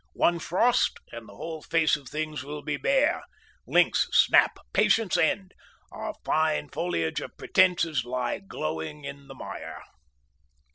One frost and the whole face of things will be bare, links snap, patience end, our fine foliage of pretences lie glowing in the mire.